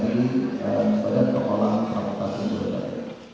baik di kedisuk maipun jawa tengah jawa tengah dan jawa tengah